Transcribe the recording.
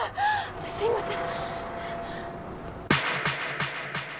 すいません